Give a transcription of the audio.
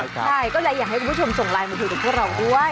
ใช่ก็เลยอยากให้คุณผู้ชมส่งไลน์มาคุยกับพวกเราด้วย